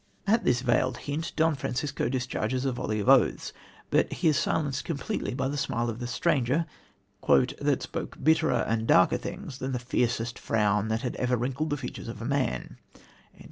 '" At this veiled hint Don Francisco discharges a volley of oaths, but he is silenced completely by the smile of the stranger "that spoke bitterer and darker things than the fiercest frown that ever wrinkled the features of man."